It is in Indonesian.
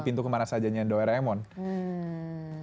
maksudnya kita bisa mengirim crypto ke mana saja